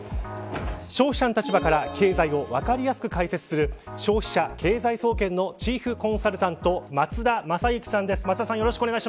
消費者の立場から経済を分かりやすく解説する消費者経済総研のチーフ・コンサルタント松田優幸さんです。